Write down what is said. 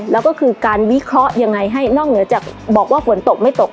แล้วก็คือการวิเคราะห์ยังไงให้นอกเหนือจากบอกว่าฝนตกไม่ตก